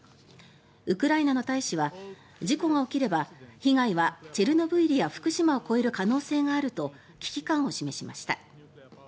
ウクライナの大使は事故が起きれば被害はチェルノブイリや福島を超える可能性があると危機感を示しました。